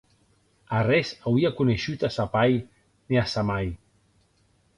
Arrés auie coneishut a sa pair ne a sa mair.